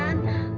leha cepetan leha